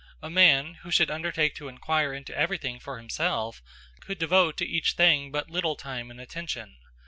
A man who should undertake to inquire into everything for himself, could devote to each thing but little time and attention.